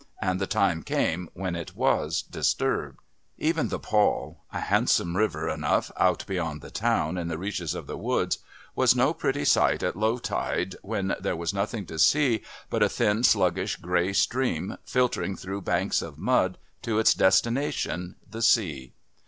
And the time came when it was disturbed.... Even the Pol, a handsome river enough out beyond the town in the reaches of the woods, was no pretty sight at low tide when there was nothing to see but a thin, sluggish grey stream filtering through banks of mud to its destination, the sea.